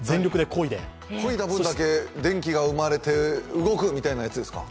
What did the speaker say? こいだ分だけ電気が生まれて動くというやつですか。